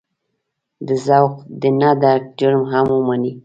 د ذوق د نه درک جرم هم ومني.